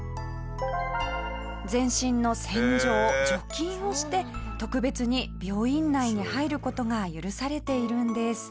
全身の洗浄、除菌をして特別に病院内に入る事が許されているんです。